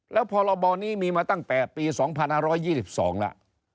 แล้วพรบนี้มีมาตั้งแต่ปี๒๕๒๒แล้ว